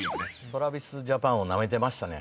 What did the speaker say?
ＴｒａｖｉｓＪａｐａｎをナメてましたね。